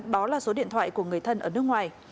đó là số điện thoại của người thân ở nước ngoài